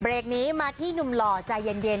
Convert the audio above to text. นี้มาที่หนุ่มหล่อใจเย็น